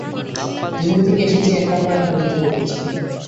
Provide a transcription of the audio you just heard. যেদিন থেকে এখানে এসেছি, একটার পর একটা বিপদে পড়েছি।